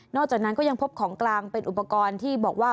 จากนั้นก็ยังพบของกลางเป็นอุปกรณ์ที่บอกว่า